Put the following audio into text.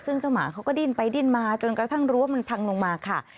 ซึ่งเจ้าหมาเขาก็ดิ้นไปดิ้นมาจนกระทั่งรั้วมันพังลงมาค่ะ